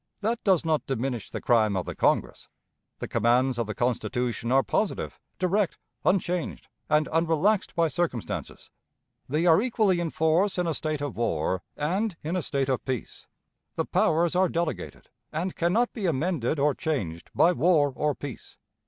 That does not diminish the crime of the Congress. The commands of the Constitution are positive, direct, unchanged, and unrelaxed by circumstances. They are equally in force in a state of war and in a state of peace. The powers are delegated, and can not be amended or changed by war or peace.